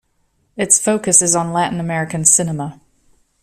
Its focus is on Latin American cinema.